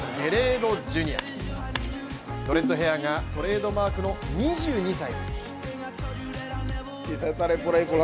ドレッドヘアがトレードマークの２２歳。